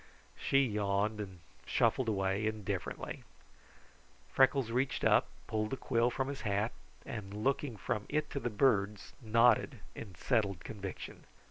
She yawned and shuffled away indifferently. Freckles reached up, pulled the quill from his hat, and looking from it to the birds, nodded in settled conviction.